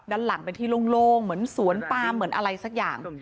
ด้านหลังเป็นที่โล่งเหมือนสวนปามเหมือนอะไรสักอย่าง